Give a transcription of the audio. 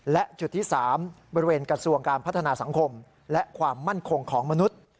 และจุดที่๓บริเวณกระทรวงการพัฒนาสังคมและความมั่นคงของมนุษย์